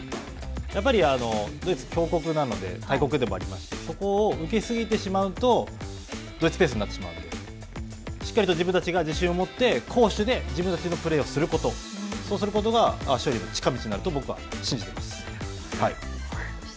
やっぱり、ドイツは強国なので大国でもありますし、そこを受け過ぎてしまうとドイツペースになってしまうので、しっかりと自分たちが自信を持って攻守で自分たちのプレーをすること、そうすることが勝利への近道になると僕は信じています。